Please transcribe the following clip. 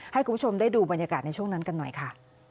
ให้คุณผู้ชมได้ดูบรรยากาศในช่วงนั้นกันหน่อยค่ะ